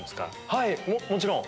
はいもちろん。